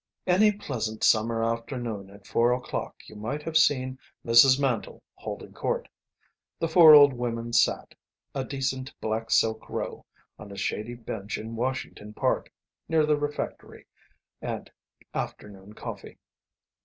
Any pleasant summer afternoon at four o'clock you might have seen Mrs. Mandle holding court. The four old women sat, a decent black silk row, on a shady bench in Washington Park (near the refectory and afternoon coffee).